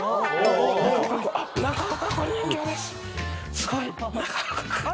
すごい。